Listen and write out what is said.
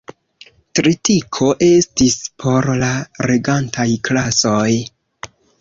Tritiko estis por la regantaj klasoj.